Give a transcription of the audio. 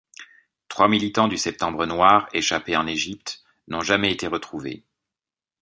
Trois militants du Septembre Noir, échappé en Egypye, n'ont jamais été retrouvés.